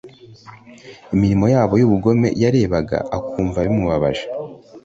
imirimo yabo y ubugome yarebaga akumva bimubabaje